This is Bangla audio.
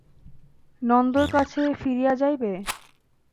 নন্দর কাছে ফিরিয়া যাইবে?